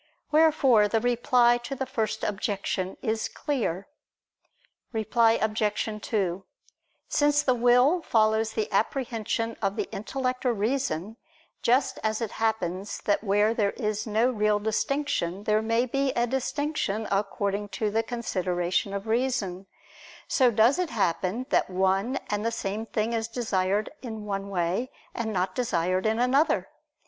Wherefore the reply to the first Objection is clear. Reply Obj. 2: Since the will follows the apprehension of the intellect or reason; just as it happens that where there is no real distinction, there may be a distinction according to the consideration of reason; so does it happen that one and the same thing is desired in one way, and not desired in another.